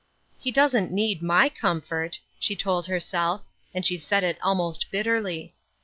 " He doesn't need my comfort," she told herself, and she said it almost bitterly.